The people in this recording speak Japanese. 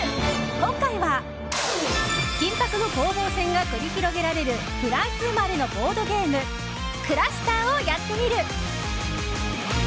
今回は、緊迫の攻防戦が繰り広げられるフランス生まれのボードゲームＫｌｕｓｔｅｒをやってみる。